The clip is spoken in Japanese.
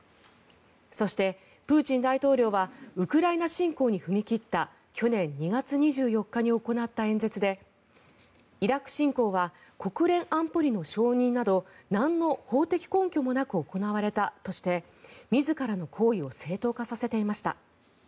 そして、プーチン大統領はウクライナ侵攻に踏み切った去年２月２４日に行った演説でイラク侵攻は国連安保理の承認などなんの法的根拠もなく行われたとして自らの行為を正当化させていました。